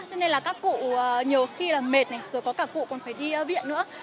cho nên là các cụ nhiều khi là mệt này rồi có cả cụ còn phải đi viện nữa